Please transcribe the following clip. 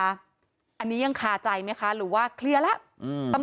อันนี้ยังคาใจไหมคะหรือว่าเคลียร์แล้ว